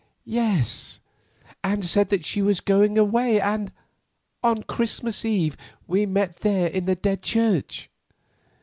"Yes, and said that she was going away and—on Christmas Eve we met there in the Dead Church.